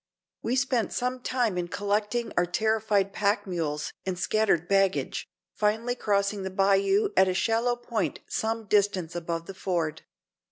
We spent some time in collecting our terrified pack mules and scattered baggage, finally crossing the bayou at a shallow point some distance above the ford.